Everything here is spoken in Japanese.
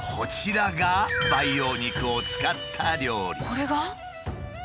これが？